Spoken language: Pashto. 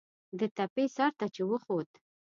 د تپې سر ته چې وخوت.